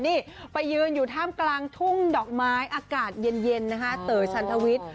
นี่ไปยืนอยู่ท่ามกลางทุ่งดอกไม้อากาศเย็นนะคะเต๋อชันทวิทย์